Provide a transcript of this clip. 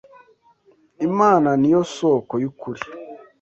Imana ni Yo soko y’ukuri